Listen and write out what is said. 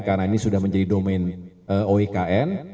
karena ini sudah menjadi domen oikn